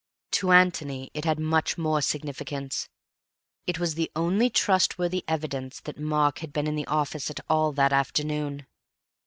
To Antony it had much more significance. It was the only trustworthy evidence that Mark had been in the office at all that afternoon.